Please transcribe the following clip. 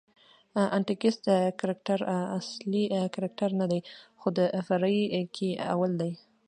انټکنیسټ کرکټراصلي کرکټرنه دئ، خو د فرعي کښي اول دئ.